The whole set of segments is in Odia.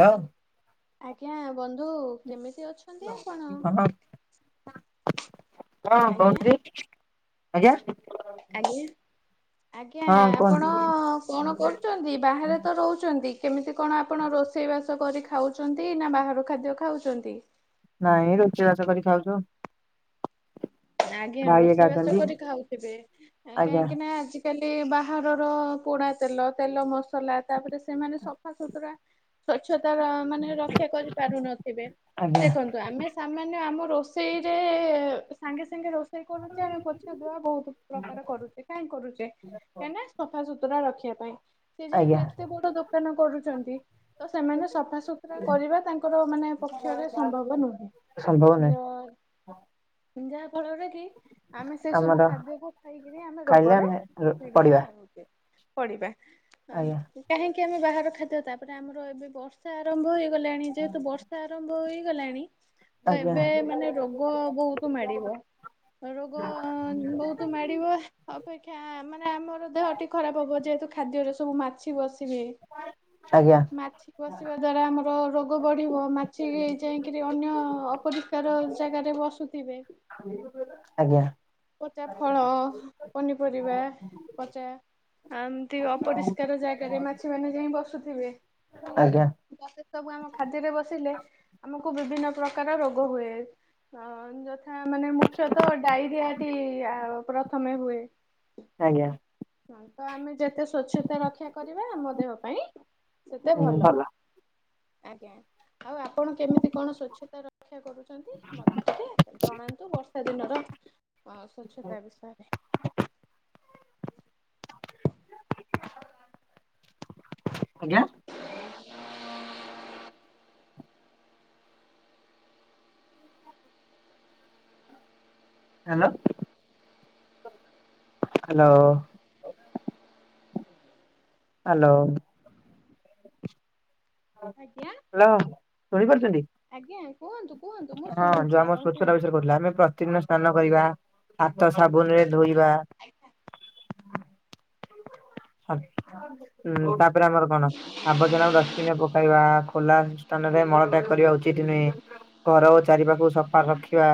ହ ଆଜ୍ଞା ବନ୍ଧୁ କେମିତି ଅଛନ୍ତି ଆପଣ ହଁ ହଁ ଆଜ୍ଞା। [unintelligible] ଆଜ୍ଞା ଆଜ୍ଞା। ଆଜ୍ଞା ହଁ କୁହନ୍ତୁ। ଆପଣ କଣ କରୁଛନ୍ତି ବାହାରେ ତ ରହୁଛନ୍ତି କେମିତି କଣ ଆପଣ ରୋଷେଇ ବାସ କରି ଖାଉଛନ୍ତି ନା ବାହାରାରୁ ଖାଦ୍ୟ ଖାଉଛନ୍ତି? ନାଇଁ ରୋଷେଇ ବାସ କରି ଖାଉଛୁ। ଆଜ୍ଞା ଭାଇ ହେରିକା ରୋଷେଇ ବାସ ଅଛନ୍ତି କରି ଖାଉଥିବେ ଏଁ ଆଜ୍ଞା କାହିଁକି ନା ଆଜି କାଲି ବାହାରର ପୋଡା ତେଲ ତେଲ ମସଲା ତାପରେ ସେମାନେ ସଫାସୁତୁରା ସ୍ୱଚ୍ଛତାର ମାନେ ରକ୍ଷା କରିପାରୁନଥିବେ ଆଜ୍ଞା ଦେଖନ୍ ନ୍ତୁ ଆମେ ସାମାନ୍ୟ ଆମ ରୋଷେଇରେ ସାଙ୍ଗେ ସାଙ୍ଗେ ରୋଷେଇ କରୁଚେ ଆମେ ପୋ ଛା ଧୁଆ ବୋହୁତ ପ୍ରକାର କରୁଚେ କାହିଁକି କରୁଚେ କାହିଁକି ନା ସଫା ସୁୁତୁରା ରଖିବା ପାଇଁ। ସିଏ ଯେହେତୁ ଆଜ୍ଞା। ଏତେ ବଡ ଦୋକାନ କରୁଛନ୍ତି। ତ ସେମାନେ ସଫାସୁତୁରା କରିବା ତାଙ୍କର ମାନେ ପକ୍ଷରେ ସମ୍ଭବ ନୁହେଁ। ସମ୍ଭବ ନାହିଁ [unintelligible] ଯାହା ଫଳରେ କି ଆମେ ସେ ସବୁ ଆମର ଖାଦ୍ୟକୁ ଖାଇକିରି ଆମେ ଖାଇଲେ ରୋଗୋରେ ଆମେ ପୀଡିତ ପଡିବା ହେଉଚେ। ପଡିବା ଆଜ୍ଞା ଆଉ କାହିଁକି ଆମେ ବାହାର ଖାଦ୍ୟ ତାପରେ ଆମର ଏବେ ବ ର୍ଷା ଆରମ୍ଭ ହେଇଗଲାଣି ଯେହେତୁ ବର୍ଷା ଆରମ୍ଭ ହେଇଗଲାଣି ତ ଆଜ୍ଞା ଏବେ ମାନେ ରୋ ଗୋ ବୋହୁତୁ ମାଡିବ ରୋଗ ବୋହୁତୁ ମାଡିବ। ଅପେକ୍ଷା ମାନେ ଆମର ଦେହ ଟି ଖରାପ ହବ। ଯେହେତୁ ଖାଦ୍ୟରେ ସବୁ ମାଛି ବସି ସିବେ ଆଜ୍ଞା ମାଛି ବସିବା ଦ୍ୱାରା ଆମର ରୋଗ ବଢ଼ିବ। ମାଛି ଯାଇକିରି ଅନ୍ୟ ଅପରିଷ୍କାର ଜାଗାରେ ବସୁ ଥିବେ। [unintelligible] ଆଜ୍ଞା। ପଚା ଫଳ ପନିପରିବା ପଚା। ଆମିତି ଅପରିଷ୍କାର ଜାଗାରେ ମାଛି ମାନେ ଯାଇଁ ବସୁଥୁବେ। ଆଜ୍ଞା। [unintelligible] ସବୁ ଆମ ଖାଦ୍ୟରେ ବସିଲେ ଆମକୁ ବିଭିନ୍ନ ପ୍ରକାର ରୋଗ ହୁଏ। ହଁ ଯଥା ମାନେ ମୁଖ୍ୟତଃ ଡାଇରିଆଟି ଆ ପ୍ରଥମେ ହୁଏ। ଆଜ୍ଞା। ହୁଁ ତ ଆମେ ଯେତେ ସ୍ଵଚ୍ଛତା ରକ୍ଷା କରିବା। ଆମ ଦେହ ପାଇଁ ସେତେ ଭଲ ଆଜ୍ଞା ଆଉ ଆପଣ କେମିତି କଣ ସଚ୍ଛତାର କ୍ଷା କରୁଚନ୍ତି। ମତେ ଟିକେ ଜଣାନ୍ତୁ ବର୍ଷା ଦିନର ଅଁ ସ୍ବଚ୍ଛତା ବିଷୟରେ। ଆଜ୍ଞା ହାଲୋ ହାଲୋ। ହାଲୋ। ଆଜ୍ଞା। ହାଲୋ ଶୁଣିପାରୁଚନ୍ତି। ଆଜ୍ଞା କୁହନ୍ତୁ କୁହନ୍ତୁ ମୁଁ ଶୁଣୁଚି ଆମ ଆପଣ କୁହନ୍ତୁ। [unintelligible] ଆମେ ପ୍ରତିଦିନ ସ୍ନାନ କରିବା ହାତ ଆଜ୍ଞା। ସାବୁନ ରେ ଧୋଇବା। [unintelligible] ଉଁ ତାପରେ ଆମର କଣ ଆବର୍ଜନା କୁ ଡଷ୍ଟବିନରେ ପକେଇବା। ଖୋଲା ସ୍ଥାନରେ ମଳତ୍ୟାଗ କରିବା ଉଚିତି ନୁହେଁ। ଘର ଓ ଚାରିପାଖକୁ ସଫା ରଖିବା।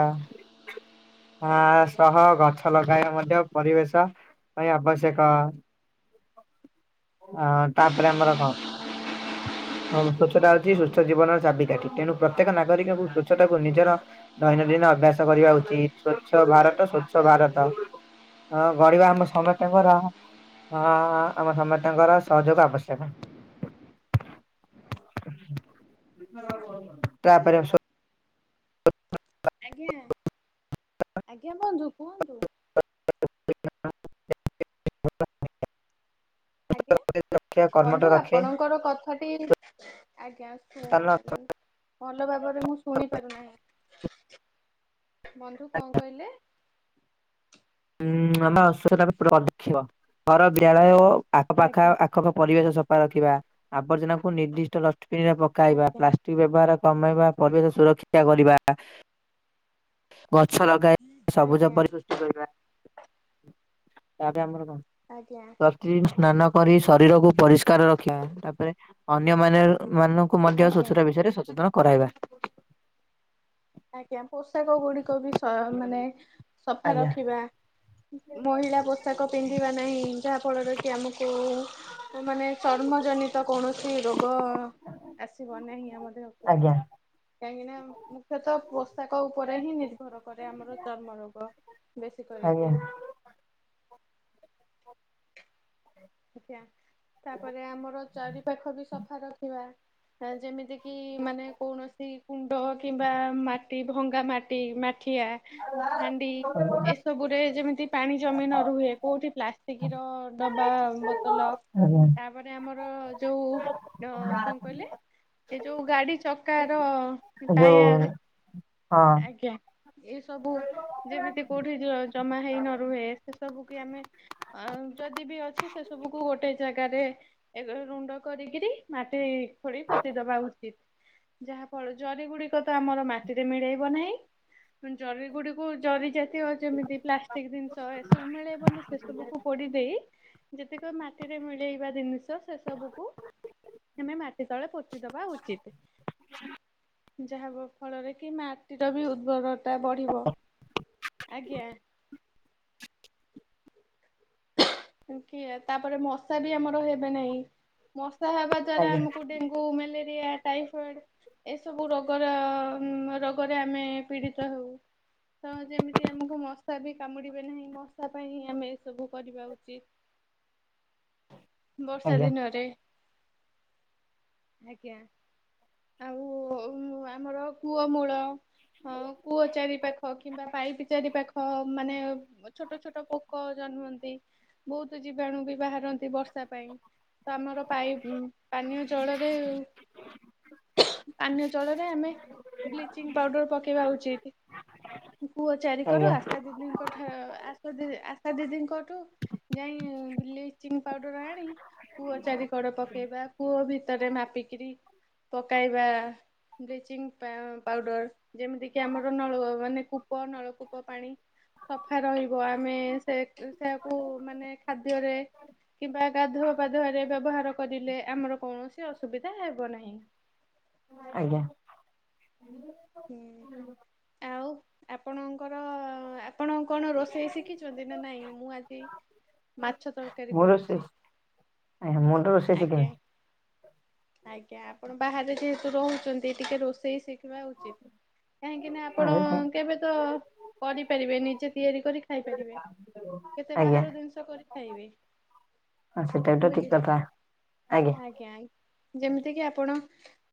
ଆଁ ସହ ଗଛ ଲଗାଇବା ମଧ୍ୟ ପରିବେଶ ପାଇଁ ଆବଶ୍ୟକ। ଅଁ ତାପରେ ଆମର କଁ ଆଉ ସଚ୍ଛତା ଅଛି ସଚ୍ଛ ଜୀବନର ଚାବିକାଠି। ତେଣୁ ପ୍ରତ୍ୟେକ ନାଗରିକଙ୍କୁ ସଚ୍ଛତାକୁ ନିଜର ଦୈନନ୍ଦିନ ଅଭ୍ୟାସ କରିବା ଉଚିତ୍ ସ୍ଵଚ୍ଛ ଭାରତ ସ୍ବଚ୍ଛ ଭାରତ। ଅଁ ଗଡିବା ଆମ ସମସ୍ତିଙ୍କର ଅଁ ଆମ ସମସ୍ତଙ୍କର ସହଯୋଗ ଆବଶ୍ୟକ। [unintelligible] ତାପରେ ସ୍ବ ଆଜ୍ଞା ଆଜ୍ଞା ବନ୍ଧୁ କୁହନ୍ତୁ। [inaudible] [unintelligible] ଆଜ୍ଞା ସ୍ୱ କର୍ମଠ ବନ୍ଧୁ ରଖେ ଆପଣଙ୍କର କଥାଟି ଆଜ୍ଞା। ଶୁ ମାନେ [unintelligible] ଭଲ ଭାବରେ ମୁଁ ଶୁଣି ପାରୁନାହିଁ। ବନ୍ଧୁ କଁ କହିଲେ। ଉଁ [unintelligible] ଘର ବିଦ୍ୟାଳୟ ଆଖପାଖା ଆଜ୍ଞା। ଆ ଆ ପରିବେଶ ସଫା ରଖିବା ଆବର୍ଜନା କ ନିର୍ଦ୍ଧିଷ୍ଟ ଡଷ୍ଟବିନ ରେ ପକାଇବା। ଆଜ୍ଞା ପ୍ଲାଷ୍ଟିକ ବ୍ୟବହାର କମେଇବା ପରିବେଶ ସୁରକ୍ଷା କରିବା। ଗଛ ଲଗାଇ ସବୁଜ ଆଜ୍ଞା ପରି ସୃଷ୍ଟି କରିବା। ତା ପରେ ଆମର କଣ। ଆଜ୍ଞା। ପ୍ରତି ସ୍ନାନ କରି ଶରୀରକୁ ପରିଷ୍କାର ରଖିବା ତାପରେ ଅନ୍ୟମାନେ ମାନଙ୍କୁ ମଧ୍ୟ ଆଜ୍ଞା। ସ୍ବଚ୍ଛତା ବିଷୟରେ ସଚେତନ କରାଇବା। ଆଜ୍ଞା। ପୋଷାକ ଗୁଡିକ ବି ସ ମାନେ ସଫା ଆଜ୍ଞା ରଖିବା। ମହିଳା ପୋଷାକ ପିନ୍ଧିବା ନାହିଁ ଯାହା ଫଳରେ କି ଆମକୁ ମାନେ ଚର୍ମ ଜନିତ କୌଣସି ରୋଗ ଆସିିବ ନାହିଁ ଆମ ଦେହକୁ ଆଜ୍ଞା କାହିଁକିନା ମୁ ସେତ ପୋଷାକ ଉପରେ ହିଁ ନିର୍ଭର କରେ ଆମର ଚର୍ମରୋଗ ବେଶି ଆଜ୍ଞା କରିକି। ଆଜ୍ଞା। ତାପରେ ଆମର ଚାରିପାଖ ବି ସଫା ରଖିବା। ଯେମିତି କିି ମାନେ କୌଣସି କୁଣ୍ଡ କିମ୍ବା ମାଟି ଭଙ୍ଗା ମାଟି ମାଠିଆ ହାଣ୍ଡି ଏ ସବୁରେ ଯେମିତି ପାଣି ଜମି ନ ରୁହେ କୋଉଁଠି ପ୍ଲାଷ୍ଟିକ୍ ର ଡବା ବୋତଲ ଆଜ୍ଞା। ତାପରେ ଆମର ଯୋଉ ଅ କଣ କହିଲେ। ଏ ଯୋଉ ଗାଡି ଚକାର ର ଯୋଉ ଟାୟାର ହଁ ଆଜ୍ଞା। ଏଇ ସବୁ ଯେମିତି କୋଉଠି ଜ ଜମା ହେଇ ନ ରୁହେ ସେ ସବୁ କି ଆମେ ଆ ଯଦି ବି ଅଛି ସେ ସବୁକୁ ଗୋଟେ ଜାଗାରେ ଏ ରୁଣ୍ଡ କରିକିରି ମାଟି ଖୋଳି ପୋତିଦବା ଉଚିତ। ଯାହା ଫଳରେ ଜରି ଗୁଡିକ ତ ଆମର ମାଟିରେ ମିଳେଇବ ନାହିଁ ଜରି ଗୁଡିକୁ ଜରି ଜରି ଜ ତୀୟ ଯେମିତି ପ୍ଲାଷ୍ଟିକ୍ ଜିନିଷ ଏସବୁ ମିଳେଇବନି ସେସବୁକୁ ପୋଡ଼ି ଦେଇ ଯେତିକ ମାଟିରେ ମିଳେଇବା ଦିନିଷ ତ ସେ ସବୁକୁ ଆମେ ମାଟି ତଳେ ପୋତି ଦବା ଉଚିତ। ଯାହା ଫଳରେ କି ମାଟିର ବି ଉର୍ବରତା ବଢ଼ିବ। ଆଜ୍ଞା। କି ତାପରେ ମଶା ବି ଆମର ହେବେ ନାହିଁ ମଶା ହେବା ଦ୍ଵାରା ଆଜ୍ଞା ଆମକୁ ଡେଗ କୁ ମେଲେରିଆ ଟାଇଫଏଡ ଏସବୁ ରୋଗର ଉଁ ରୋଗରେ ଆମେ ପୀଡ଼ିତ ହେଉ। ତ ଯେମିତି ଆମକୁ ମଶା ବି କାମୁଡିବେ ନାହିଁ ମଶା ପାଇଁ ଆମେ ଏ ସବୁ କରିବା ଉଚିତ। ବର୍ଷା ଆଜ୍ଞା ଦିନରେ। ଆଜ୍ଞା। ଆଉ ଅଉ ଆମର କୂଅ ମୂଳ ହଁ କୂଅ ଚାରି ପାଖ କିମ୍ବା ପାଇପି ଚାରି ପାଖ ମାନେ ଛୋଟ ଛୋଟ ପୋକ ଜନ୍ମନ୍ତି ବହୁତ ଜୀବାଣୁ ବି ବାହାରନ୍ତି ବର୍ଷା ପାଇଁ। ତ ଆମର ପାଇ ପାନୀୟ ଜଳରେ ପାନୀୟ ଜଳରେ ଆମେ ବ୍ଲିଚିଂ ପାଉଡର ପକେଇବା ଉଚିତ। ପୁଅ ଚାରି କର ଆଜ୍ଞା ଆଶା ଦିଦିଙ୍କଠା ଆଶାଦିଦି ଆଶା ଦିଦିଙ୍କଠୁ ଯାଇ ବ୍ଲିଚିଙ୍ଗ ପାଉଡ଼ର ଆଣି କୂଅ ଚାରି କଡ ପକେଇବା କୂଅ ଭିତରେ ମାପିକିରି ପକାଇବା ବ୍ଲିଚିଙ୍ଗ ପା-ପାଉଡ଼ର ଯେମିତିକି ଆମର ନଳୁଅ ମାନେ କୁ କୂପ ନଳକୂପ ପାଣି ସଫା ରହିବ ଆମେ ସେ ସେକୁ ମାନେ ଖାଦ୍ୟରେ କିମ୍ବା ଗାଧୁଆ ପାଧୁଆରେ ବ୍ୟବହାର କରିଲେ ଆମର କୌଣସି ଅସୁବିଧା ହେବ ନାହିଁ। ଆଜ୍ଞା। ହୁଁ। ଆଉ ଆପଣଙ୍କର ଆ ଆପଣ କଣ ରୋଷେଇ ଶିଖିଛନ୍ତି ନା ନାଇଁ ମୁଁ ଆଜି ମାଛ ତରକାରୀ ମୁଁ ରୋଷେଇ କରୁଛି। [unintelligible] ମୁଁ ତ ରୋଷେଇ ଆଜ୍ଞା। ଶିଖିନି। ଆଜ୍ଞା ଆପଣ ବାହାରେ ଯେହେତୁ ରହୁଚନ୍ତି ଟିକେ ରୋଷେଇ ଶିଖିବା ଉଚିତ୍। କାହିଁକି ନା ଆପଣ ଆଜ୍ଞା କେବେ ତ କରିପାରିବେ, ନିଜେ ତିଆରି କରି ଖାଇପାରିବେ। କେତେ ଆଜ୍ଞା ବାହାରୁ ଜିନିଷ କରି ଖାଇବେ। ହଁ ସେଟା ବି ତ ଠିକ୍ ବୁଝିଲେ କଥା। ଆଜ୍ଞା। ଯେମିତିକି ଆପଣ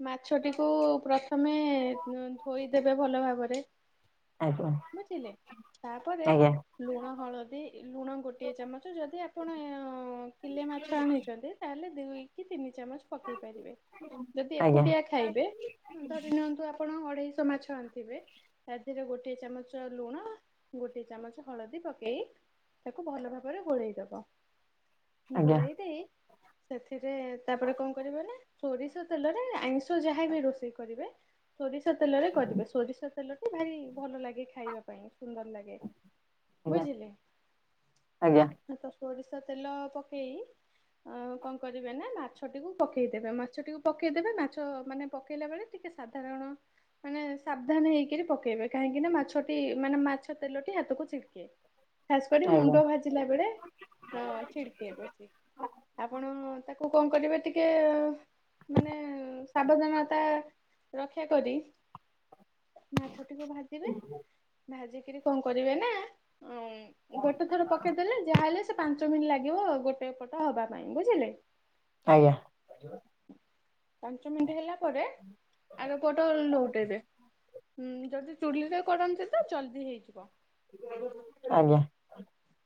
ମାଛଟିକୁ ପ୍ରଥମେ ଉଁ ଧୋଇଦେବେ ଭଲ ଭାବରେ ଆଜ୍ଞା ବୁଝିଲେ। ତାପରେ ଆଜ୍ଞା ଲୁଣ ହଳଦୀ ଲୁଣ ଗୋଟିଏ ଚାମଚ ଯଦି ଆପଣ କିଲେ ମାଛ ଆଣିଛନ୍ତି ତାହେଲେ ଦୁଇ କି ତିନି ଚାମଚ୍ ପକେଇ ପାରିବେ। ଯଦି ଆଜ୍ଞା ଏକୁଟିଆ ଖାଇବେ ଧରି ନିଅନ୍ତୁ ଆ ପଣ ଅଢେଇଶ ମାଛ ଆଣଥିବେ। ତା ଦିରେ ଗୋଟେ ଚାମଚ ଲୁଣ ଗୋଟେ ଚାମଚ ହଳଦୀ ପକେଇ ତାକୁ ଭଲ ଭାବରେ ଗୋଳେଇ ଦବ। ଆଜ୍ଞା ଗୋଳେଇ ଦେଇ ସେଥିରେ ତାପରେ କଣ କରିବ ନା ସୋରିଷ ତେଲରେ ଆଇଁଷ ଯାହା ବି ରୋଷେଇ କରିବେ ସୋରିଷ ତେଲରେ କରିବେ। ସୋରିଷ ତେଲଟି ଭାରି ଭଲ ଲାଗେ ଖାଇବା ପାଇଁ ସୁନ୍ଦର ଲାଗେ। ଆଜ୍ଞା ବୁଝିଲେ। ହଁ ତ ଷୋରିଷ ତେଲ ପକେଇ ଆଉ କଣ କରିବେ ନା ମାଛଟିକୁ ପକେଇଦେବେ, ମାଛଟିକୁ ପକେଇଦେବେ ମାଛ ମାନେ ପକେଇଲା ବେଳେ ଟିକେ ସା ତାରଣ ମାନେ ସାବଧାନ୍ ହେଇକିରି ପକେଇବେ କାହିଁକି ନା ମାଛଟି ମାନେ ମାଛ ତେଲଟି ହାତକୁ ଛିଟ୍ କେ ଖାସ କରି ଆଜ୍ଞା ଆଜ୍ଞା ମୁଣ୍ଡ ଭାଜିଲା ବେଳେ ହଁ ଛିଡକେ ବେଶି। ଆପଣ ତାକୁ କଣ କରିବେ ଟିକେ ମାନେ ସାବଧାନତା ରକ୍ଷା କରି ମାଛଟିକୁ ଭାଜିବେ ଭାଜି କିରି କଣ କରିବେ ନା ଉଁ ଗୋଟେ ଥର ପକେଇଦେଲେ, ଯାହା ହେଲେ ସେ ପାଞ୍ଚ [unintelligible] ମିନିଟ୍ ଲାଗିବ ଗୋଟେ ପଟ ହବା ପାଇଁ ବୁଝିଲେ। ଆଜ୍ଞା। ପାଞ୍ଚ ମିନିଟ ହେଲା ପରେ ଆର ପଟ ଲଉଟେଇବେ। ଉଁ ଯଦି ଚୁଲିରେ କରନ୍ତି ତ ଜଲ୍ଦି ହେଇଯିବ। [unintelligible] ଆଜ୍ଞା।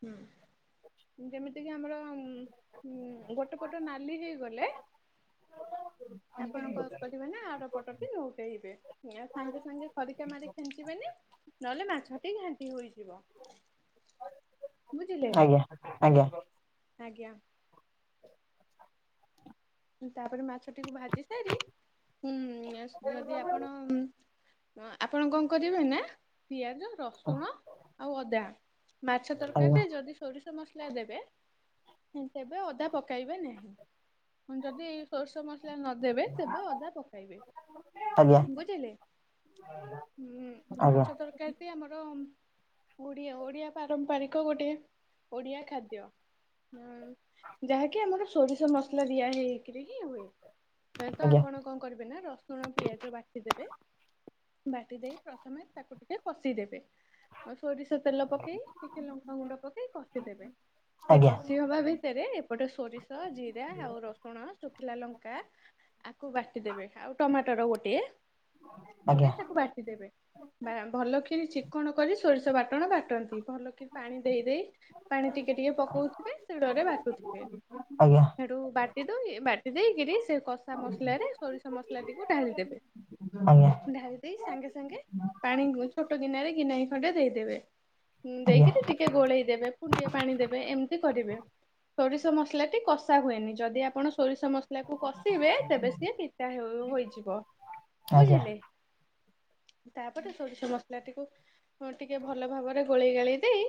ହୁଁ। ଯେମିତିକି ଆମର ଉଁ ଗୋଟେ ପଟ ନାଲି ହେଇଗଲେ ଆପଣଙ୍କ କରିବେ ନା ଆର ପଟ ବି ଲଉଟେଇବେ। ୟା ସାଙ୍ଗେ ସାଙ୍ଗେ ଖରିକା ମାରି ଖେଞ୍ଚିବେନି ନହେଲେ ମାଛଟି ଘାଣ୍ଟି ହୋଇଯିବ। ବୁଝିଲେ। ଆଜ୍ଞା ଆଜ୍ଞା ଆଜ୍ଞା ଆଜ୍ଞା। ଉଁ ତାପରେ ମାଛଟିକୁ ଭାଜି ସାରି ଉଁ [unintelligible] ଯଦି ଆପଣ ଆଁ ଆପଣ କନ୍ କରିବେ ନା ପିଆଜ ରସୁଣ ଆଉ ଅଦା ମାଛ ତରକାରୀରେ ଯଦି ସୋରିଷ ମସଲା ଦେବେ, ତେବେ ଅଦା ପକାଇବେ ନାହିଁ। ହଁ ଯଦି ସୋରିଷ ମସ ଲା ନଦେବେ ତେବେ ଅଦା ପକାଇବେ। ବୁଝିଲେ? ହୁଁ ମାଛ ତରକାରୀଟି ଆମର ଓଡ଼ିଆ, ଓଡ଼ିଆ ପାରମ୍ପାରିକ ଗୋଟେ ଓଡ଼ିଆ ଖାଦ୍ୟ। [unintelligible] ଉଁ ଯାହାକି ଆମର ସୋରିଷ ମସଲା ଦିଆ ହେଇକିରି ହି ହୁଏ। ଏ ତ ଆଜ୍ଞା ଆପଣ କନ୍ କରିବେ ନା ରସୁଣ ପିଆଜ ବାଟିଦେବେ। ବାଟିଦେଇ ପ୍ରଥମେ ତାକୁ ଟିକେ କଷିଦେବେ। ଆଉ ସୋରିଷ ତେଲ ପକେଇ ଟିକେ ଲଙ୍କାଗୁଣ୍ଡ ପକେଇ କଷିଦେବେ। ଟିଏ କଷ ଆଜ୍ଞା ଇ ହବା ଭିତରେ ଏପଟେ ସୋରିଷ, ଜିରା ଆଉ ରସୁଣ, ଶୁଖିଲା ଲଙ୍କା ଆକୁ ବାଟିଦେବେ। ଆଉ ଟମାଟର ଗୋଟିଏ ଆଜ୍ଞା ଆଜ୍ଞା ଆଜ୍ଞା ଆଜ୍ଞା ଆଜ୍ଞା ଆଜ୍ଞା ଆଜ୍ଞା ଆଜ୍ଞା ଆଜ୍ଞା ପକେଇ ତାକୁ ବାଟିଦେବେ। ବା ଭଲକିରି ଚିକଣ କରି ସୋରିଷ ବାଟଣ ବାଟନ୍ତି। ଭଲ କିରି ପାଣି ଦେଇ ଦେଇ ପାଣି ଟିକେ ଟିକେ ପକଉଥିବେ, ଶିଳରେ ବାଟୁଥିବେ। ସେଠୁ ବା [unintelligible] ବାଟି ଦେଇେଇକିରି ସେ କଷା ମସଲାରେ ସୋରିଷ ମସଲାଟିକୁ ଢାଳିଦେବେ। ଢାଳି ଦେଇ, ସାଙ୍ଗେ ସାଙ୍ଗେ ପାଣିକୁ ଛୋଟ ଗିନାରେ ଗିନାଇ ଖଣ୍ଡେ ଦେଇଦେବେ। ହୁଁ ଦେଇକିରି ଟି ଟିକେ ଗୋଳେଇ ଦେବେ। କୁଣ୍ଡିଏ ପାଣି ଦେବେ, ଏମିତି କରିବେ। ସୋରିଷ ମସଲାଟି କଷା ହୁଏନି, ଯଦି ଆ ଆପଣ ସୋରିଷ ମସଲାକୁ କଷିବେ ତେବେ ସିଏ ପିତା ହୋଇଯିବ, ବୁଝିଲେ। ତାପରେ ସୋରିଷ ମସଲାଟିକୁ ଟିକେ ଭଲ ଭାବରେ ଗୋଳେଇ ଗାଳେଇ ଦେଇ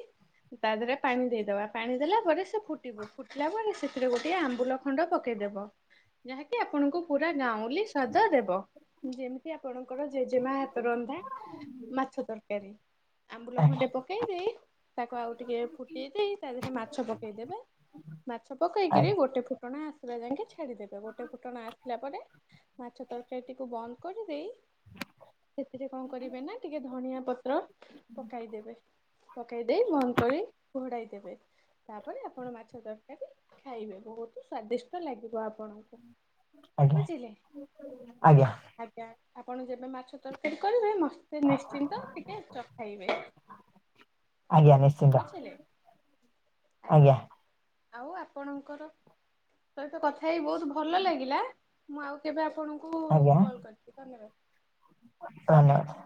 ତା ଦେହରେ ପାଣି ଦେଇଦବା। ପାଣି ଦେଲା ପରେ ସେ ଫୁଟିବ, ଫୁଟିଲା ପରେ ସେଥିରେ ଗୋଟେ ଆମ୍ବୁଲ ଖଣ୍ଡ ପକେଇଦବ, ଯାହାକି ଆପଣଙ୍କୁ ପୁରା ଗାଉଁଲି ସ୍ୱାଦ ଦେବ। ଯେମିତି ଆପଣଙ୍କର ଜେଜେମା ହାତ ରନ୍ଧା ମାଛ ତରକାରୀ। ଆମ୍ବୁଲ ଖଣ୍ଡେ ପକେଇ ଦେଇ, ତାକୁ ଆଉ ଟିକେ ଫୁଟେଇ ଦେଇ ତା ଦେହରେ ମାଛ ପକେଇଦେବେ, ମାଛ ପକେଇକରି ଗୋଟେ ଫୁଟଣା ଆସି ଲା ଯାଇକି ଛାଡିଦେବେ, ଗୋଟେ ଫୁଟଣ ଆସିଲା ପରେ ମାଛ ତରକାରୀଟିକୁ ବନ୍ଦ କରିଦେଇ ସେଥିରେ କଣ କରିବେ ନା, ଟିକେ ଧଣିଆ ପତ୍ର ପକାଇଦେବେ। ପକାଇଦେଇ, ବନ୍ଦ କରି ଘୋଡାଇ ଦେବେ। ତାପରେ ଆପଣ ମାଛ ତରକାରୀ ଖାଇବେ। ବହୁତ ସ୍ଵାଦିଷ୍ଟ ଲାଗିବ ଆପଣଙ୍କୁ, ବୁଝିଲେ। ଆଜ୍ଞା ଆଜ୍ଞା ଆପଣ ଯେବେ ମାଛ ତରକାରୀ କରିବେ, ମତେ ନିଶ୍ଚିନ୍ତ ଟିକେ ଚଖାଇବେ। ଆଜ୍ଞା ନିଶ୍ଚ ବୁଝିଲେ ଆଜ୍ଞା। ଆଉ ଆପଣଙ୍କର ସହିତ କଥା ହେଇ ବହୁତ ଭଲ ଲାଗିଲା। ମୁଁ ଆଉ କେବେ ଆପଣଙ୍କୁ ଆଜ୍ଞା କଲ୍ କରିବି, ଧନ୍ୟବାଦ। [unintelligible]